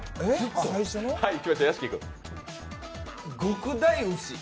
極大牛？